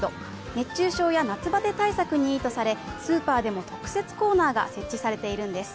熱中症や夏バテ対策にいいとされスーパーでも特設コーナーが設置されているんです。